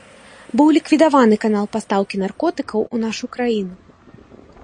Быў ліквідаваны канал пастаўкі наркотыкаў у нашу краіну.